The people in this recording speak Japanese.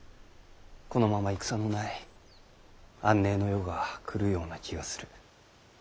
このまま戦のない安寧の世が来るような気がする。